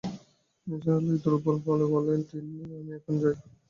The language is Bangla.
নিসার আলি দুর্বল গলায় বললেন, তিন্নি, আমি এখন যাই!